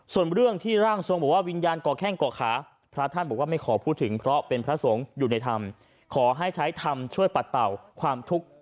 ส่วนเรื่องที่ร่างทรงบอกว่าวิญญาณก่อแข้งก่อขา